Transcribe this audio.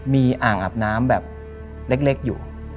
มีอ่างอาบน้ำแบบเล็กอยู่